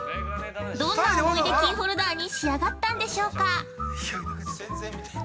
どんな思い出のキーホルダーに仕上がったんでしょうか。